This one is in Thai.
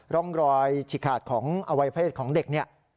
ร่องรอยฉีกขาดของอวัยเพศของเด็กเนี่ย